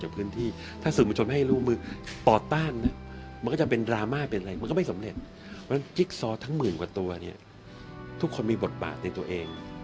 เพราะฉะนั้นจิ๊กซอทั้งหมื่นกว่าตัวเนี่ยทุกคนมีบทบาทในตัวเอง